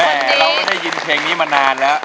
แต่เราไม่ได้ยินเพลงนี้มานานแล้ว